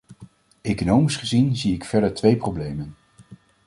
Economisch gezien zie ik verder twee problemen.